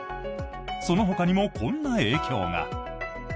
そのほかにも、こんな影響が。